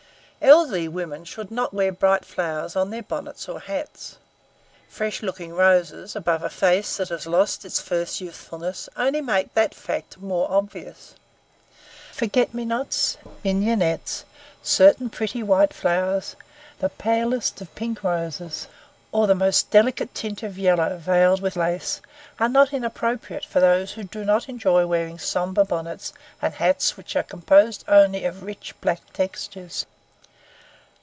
Elderly women should not wear bright flowers on their bonnets or hats. Fresh looking roses above a face that has lost its first youthfulness only make that fact more obvious. Forget me nots, mignonettes, certain pretty white flowers, the palest of pink roses, or the most delicate tint of yellow veiled with lace are not inappropriate for those who do not enjoy wearing sombre bonnets and hats which are composed only of rich, black textures.